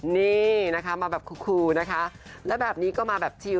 นี่นะคะมาแบบคูนะคะแล้วแบบนี้ก็มาแบบชิล